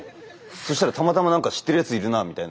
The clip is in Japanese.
そしたらたまたまなんか知ってるやついるなあみたいな。